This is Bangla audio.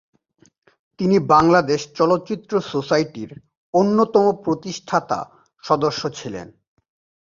তিনি বাংলাদেশ চলচ্চিত্র সোসাইটির অন্যতম প্রতিষ্ঠাতা সদস্য ছিলেন।